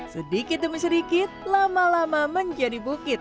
sedikit demi sedikit lama lama menjadi bukit